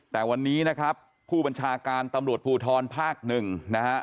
แต่วันนี้นะครับผู้บัญชาการตำรวจภูทรภาคหนึ่งนะฮะ